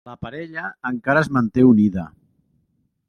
La parella encara es manté unida.